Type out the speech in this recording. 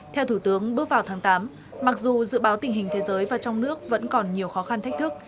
theo thủ tướng bước vào tháng tám mặc dù dự báo tình hình thế giới và trong nước vẫn còn nhiều khó khăn thách thức